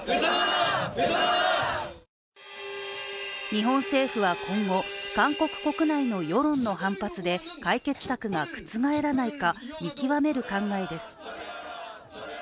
日本政府は今後、韓国国内の世論の反発で解決策が覆らないか見極める考えです。